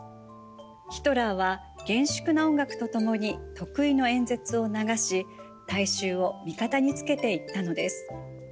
ヒトラーは厳粛な音楽とともに得意の演説を流し大衆を味方につけていったのです。